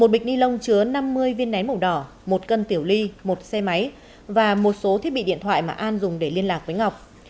một bịch ni lông chứa năm mươi viên nén màu đỏ một cân tiểu ly một xe máy và một số thiết bị điện thoại mà an dùng để liên lạc với ngọc